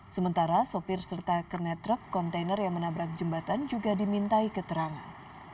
sementara sopir serta kernet truk kontainer yang menabrak jembatan juga dimintai keterangan